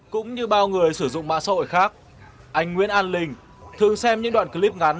cũng như bao người sử dụng mạng xã hội khác anh nguyễn an linh thường xem những đoạn clip ngắn